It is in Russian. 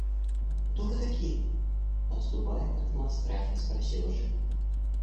– Кто вы такие? – отступая от окна, в страхе спросила Женя.